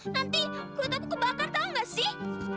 nanti mulut aku kebakar tau gak sih